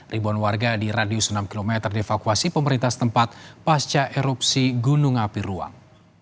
ribuan warga di radius enam km dievakuasi pemerintah setempat pasca erupsi gunung api ruang